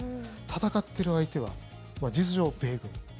戦ってる相手は事実上、米軍。